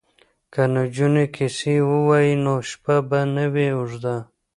که نجونې کیسه ووايي نو شپه به نه وي اوږده.